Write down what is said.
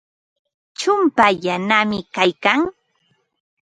Chumpaa yanami kaykan.